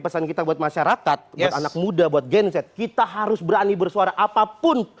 pesan kita buat masyarakat buat anak muda buat genset kita harus berani bersuara apapun